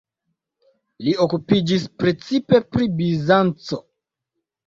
Li okupiĝis precipe pri Bizanco.